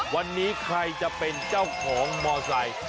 วันนี้ใครจะเป็นเจ้าของมอไซค์